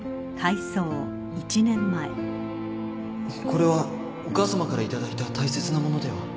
これはお母さまから頂いた大切なものでは